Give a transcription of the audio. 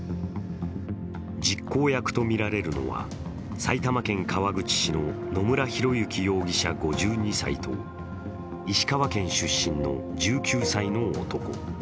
実行役とみられるのは埼玉県川口市の野村広之容疑者５２歳と石川県出身の１９歳の男。